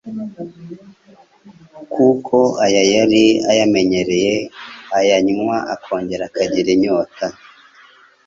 kuko aya yari ayamenyereye, ayanywa, akongera akagira inyota